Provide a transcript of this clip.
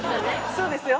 そうですよ。